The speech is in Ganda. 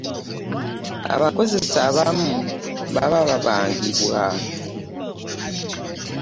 abakozesa abamu baba babangibwa.